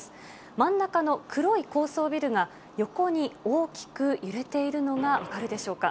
真ん中の黒い高層ビルが、横に大きく揺れているのが分かるでしょうか。